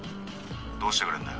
どうしてくれんだよ。